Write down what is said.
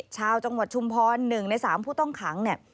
ชาวจังหวัดชุมพร๑ใน๓ผู้ต้องขังเนี่ย